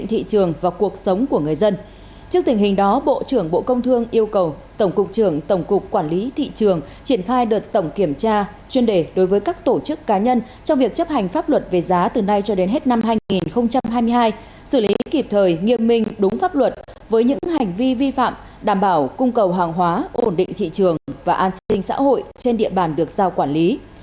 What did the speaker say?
trước tình hình đó bộ trưởng bộ công thương yêu cầu tổng cục trưởng tổng cục quản lý thị trường triển khai đợt tổng kiểm tra chuyên đề đối với các tổ chức cá nhân trong việc chấp hành pháp luật về giá từ nay cho đến hết năm hai nghìn hai mươi hai xử lý kịp thời nghiêm minh đúng pháp luật với những hành vi vi phạm đảm bảo cung cầu hàng hóa ổn định thị trường và an sinh xã hội trên địa bàn được giao quản lý